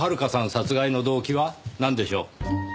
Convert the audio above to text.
殺害の動機はなんでしょう？